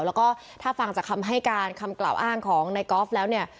แล้วก็ถ้าฟังจากคำให้การคำกล่าวอ้างของนายกอล์ฟแล้วเนี่ย